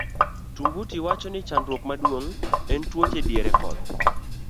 Tumbuti wacho ni chandruok maduong' en tuoche diere koth.